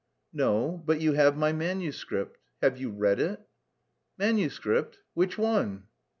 "No, but you have my manuscript. Have you... read it?" "Manuscript? Which one?"